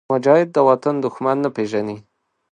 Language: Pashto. مجاهد د وطن دښمن نه پېژني.